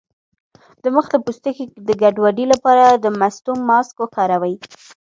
د مخ د پوستکي د ګډوډۍ لپاره د مستو ماسک وکاروئ